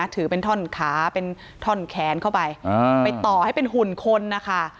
ถือเป็นท่อนขาเป็นท่อนแขนเข้าไปไปต่อให้เป็นหุ่นคนนะคะ